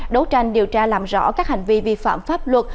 đấu tranh điều tra làm rõ các hành vi vi phạm pháp luật